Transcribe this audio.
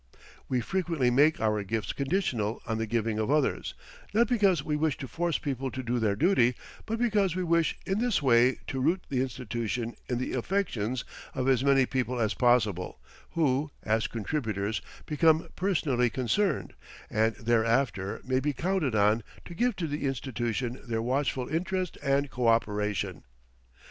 We frequently make our gifts conditional on the giving of others, not because we wish to force people to do their duty, but because we wish in this way to root the institution in the affections of as many people as possible who, as contributors, become personally concerned, and thereafter may be counted on to give to the institution their watchful interest and coöperation.